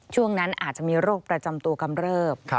ช่วงนั้นอาจจะมีโรคประจำตัวกำเริบ